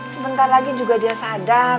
sebentar lagi juga dia sadar